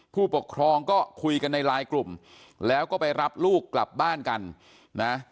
ผู้ปกครองก็คุยกันในไลน์กลุ่มแล้วก็ไปรับลูกกลับบ้านกันนะ